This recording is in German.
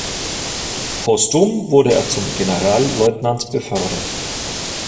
Postum wurde er zum Generalleutnant befördert.